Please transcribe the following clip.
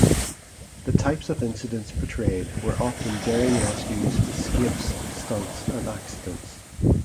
The types of incidents portrayed were often daring rescues, escapes, stunts, and accidents.